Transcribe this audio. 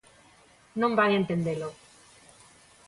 Non van entendelo.